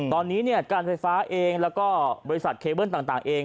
ตอนนี้การไฟฟ้าเองแล้วก็บริษัทเคเบิ้ลต่างเอง